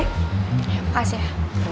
ya pas ya